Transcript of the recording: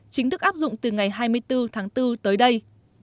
chính thức áp dụng từ ngày hai mươi bốn tháng bốn tới đây